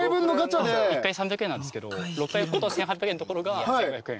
１回３００円なんですけど６回引くと１，８００円のところが１，５００円。